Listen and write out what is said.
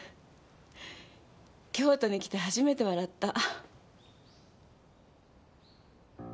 京都に来て初めて笑った。